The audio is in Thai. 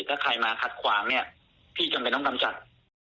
ถ้าใครมาขัดขวางเนี่ยพี่จำเป็นต้องกำจัด